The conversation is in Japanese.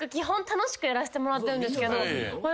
楽しくやらせてもらってるんですけど私